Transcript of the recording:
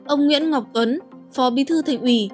ông nguyễn ngọc tuấn phó bi thư thành ủy